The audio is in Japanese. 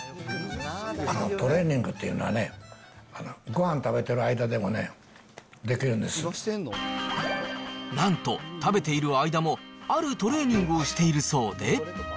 トレーニングというのはね、ごはん食べてる間でもね、できるなんと、食べている間も、あるトレーニングをしているそうで。